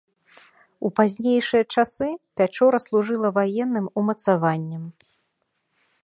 У пазнейшыя часы пячора служыла ваенным умацаваннем.